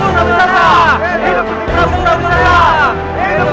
hidup hidup hidup hidup